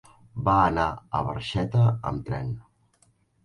Va anar a Barxeta amb tren.